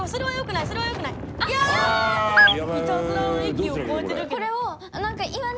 いたずらの域超えてるよね。